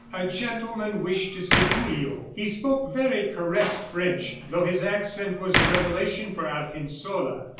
A gentleman wished to see Julio. He spoke very correct French, though his accent was a revelation for Argensola.